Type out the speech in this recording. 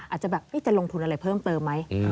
อาจจะแบบจะลงทุนอะไรเพิ่มเติมไหม